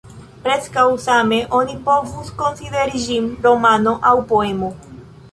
Preskaŭ same oni povus konsideri ĝin romano aŭ poemo.